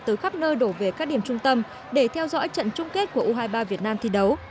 từ khắp nơi đổ về các điểm trung tâm để theo dõi trận chung kết của u hai mươi ba việt nam thi đấu